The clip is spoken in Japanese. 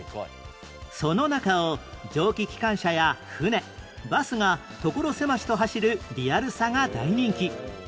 その中を蒸気機関車や船バスが所狭しと走るリアルさが大人気